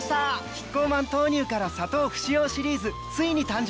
キッコーマン豆乳から砂糖不使用シリーズついに誕生！